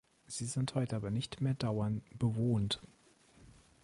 Sie sind heute aber nicht mehr dauern bewohnt.